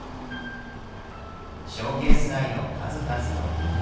ショーケース内の数々の人形。